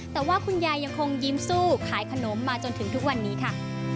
แต่ว่าคุณยายยังคงยิ้มสู้ขายขนมมาจนถึงทุกวันนี้ค่ะ